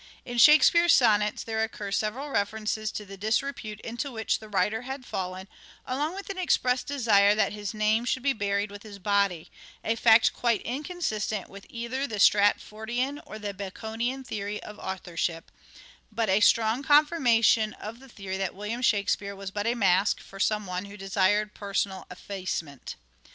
In Shakespeare's sonnets there occur several references Loss of good to the disrepute into which the writer had fallen, along name with an expressed desire that his name should be buried with his body — a fact quite inconsistent with either the Stratfordian or the Baconian theory of authorship, 194 " SHAKESPEARE " IDENTIFIED but a strong confirmation of the theory that William Shakspere was but a mask for some one who desired personal effacement.